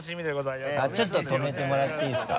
ちょっと止めてもらっていいですか？